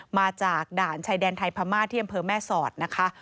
มาจากด่านชายแดนไทยพม่าที่อำเภอแม่สอดนะคะ